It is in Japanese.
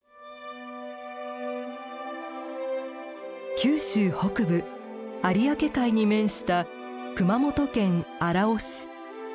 九州北部有明海に面した熊本県荒尾市。